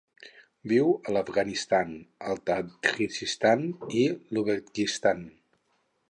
Viu a l'Afganistan, el Tadjikistan i l'Uzbekistan.